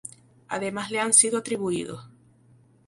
Además le han sido atribuidos.